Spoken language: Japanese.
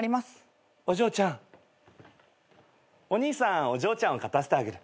お兄さんお嬢ちゃんを勝たせてあげる。